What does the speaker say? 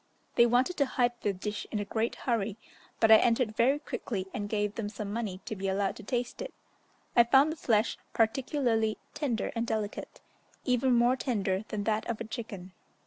They wanted to hide the dish in a great hurry, but I entered very quickly and gave them some money to be allowed to taste it. I found the flesh particularly tender and delicate, even more tender than that of a chicken.